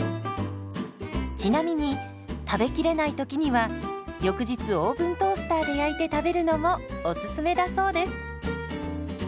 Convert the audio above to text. ちなみに食べきれないときには翌日オーブントースターで焼いて食べるのもおすすめだそうです。